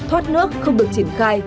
thoát nước không được triển khai